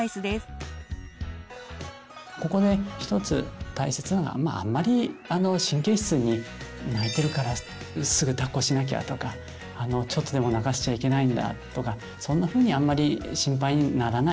ここで一つ大切なのはまああんまり神経質に泣いてるからすぐだっこしなきゃとかちょっとでも泣かしちゃいけないんだとかそんなふうにあんまり心配にならない。